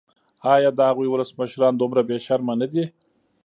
ایا د هغوی ولسمشران دومره بې شرمه نه دي.